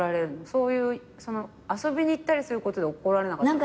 そういう遊びに行ったりすることで怒られなかった。